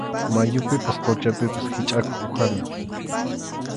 Mayupipas quchapipas hichʼakuq upyana.